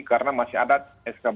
karena masih ada skb